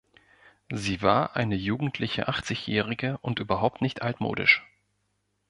Sie war eine jugendliche Achtzigjährige und überhaupt nicht altmodisch.